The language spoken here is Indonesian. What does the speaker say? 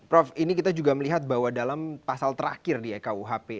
prof ini kita juga melihat bahwa dalam pasal terakhir di rkuhp